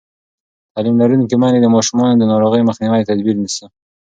تعلیم لرونکې میندې د ماشومانو د ناروغۍ مخکینی تدبیر نیسي.